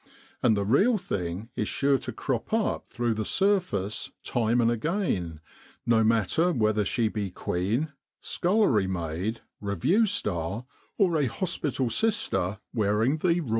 And the real thing is sure to crop up through the surface time and again, no matter whether she be queen, scullery maid, revue star, or a hospital sister wearing the R.R.